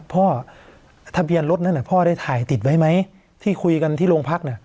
พ่อทะเบียนรถนั้นพ่อได้ถ่ายติดไว้ไหมที่คุยกันที่โรงพัก